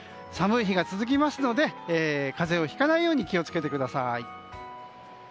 寒い日が続きますので風邪をひかないように気をつけてください。